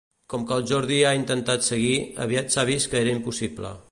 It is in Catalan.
Com que el Jordi ha intentat seguir, aviat s'ha vist que era impossible.